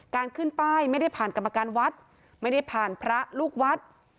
การขึ้นป้ายไม่ได้ผ่านกรรมการวัดไม่ได้ผ่านพระลูกวัด